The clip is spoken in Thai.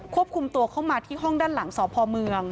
คุมตัวเข้ามาที่ห้องด้านหลังสพเมือง